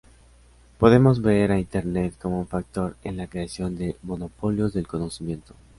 Podemos ver a Internet como un factor en la creación de monopolios del conocimiento.